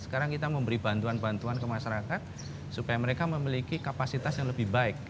sekarang kita memberi bantuan bantuan ke masyarakat supaya mereka memiliki kapasitas yang lebih baik